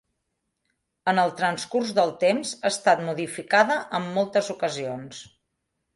En el transcurs del temps ha estat modificada en moltes ocasions.